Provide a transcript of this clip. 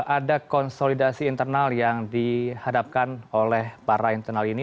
ada konsolidasi internal yang dihadapkan oleh para internal ini